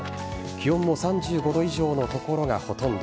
気温も３５度以上の所がほとんど。